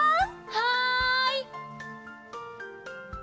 はい！